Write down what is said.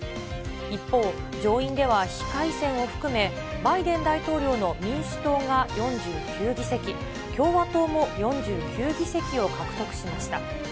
一方、上院では非改選を含め、バイデン大統領の民主党が４９議席、共和党も４９議席を獲得しました。